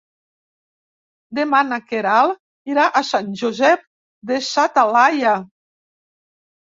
Demà na Queralt irà a Sant Josep de sa Talaia.